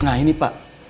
nah ini pak